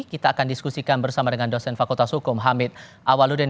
kita akan diskusikan bersama dengan dosen fakultas hukum hamid awaludin